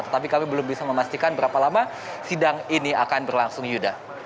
tetapi kami belum bisa memastikan berapa lama sidang ini akan berlangsung yuda